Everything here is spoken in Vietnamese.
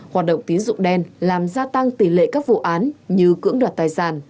hoạt động tín dụng đen làm gia tăng tỷ lệ các vụ án như cưỡng đoạt tài sản